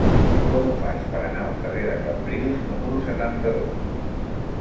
Com ho faig per anar al carrer de Cambrils número setanta-dos?